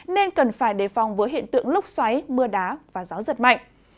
nên cần phải đề phòng với hiện tượng lúc xoáy mưa đá và gió giật mạnh